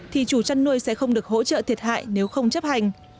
thì chủ chăn nuôi sẽ không được hỗ trợ thiệt hại nếu không chấp hành